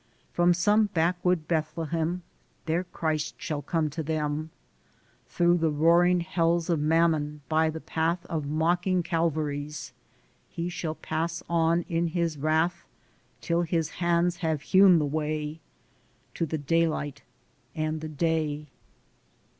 From some backwood Bethlehem Their Christ shall come to them; Through the roaring hells of Mammon, by the path Of mocking Calvaries, he shall pass on in his wrath Till his hands have hewn the way To the daylight and the day.